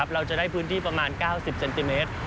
เราจะได้พื้นที่ประมาณ๙๐เซนติเมตร